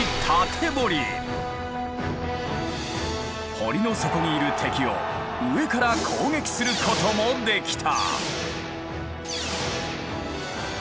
堀の底にいる敵を上から攻撃することもできた。